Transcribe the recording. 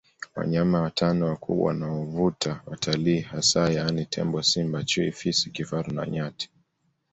Wanyama watano wakubwa wanaovuta watalii hasa yaani tembo Simba Chui Fisi Kifaru na Nyati